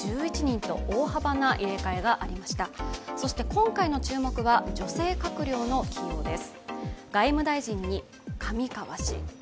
今回の注目は女性閣僚の起用です。